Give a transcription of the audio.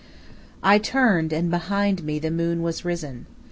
I turned, and behind me the moon was risen.